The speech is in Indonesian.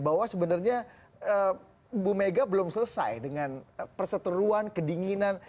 bahwa sebenarnya bu mega belum selesai dengan perseteruan kedinginan